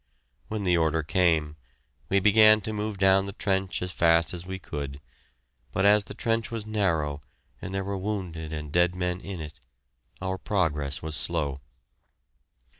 When the order came, we began to move down the trench as fast as we could, but as the trench was narrow and there were wounded and dead men in it, our progress was slow.